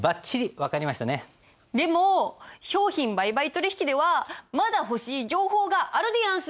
でも商品売買取引ではまだ欲しい情報があるでやんす。